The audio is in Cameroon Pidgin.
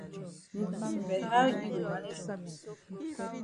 But how yi go manage foolish so?